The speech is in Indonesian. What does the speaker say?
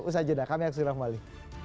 usaha jeda kami akan segera kembali